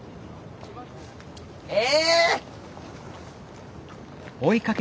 え！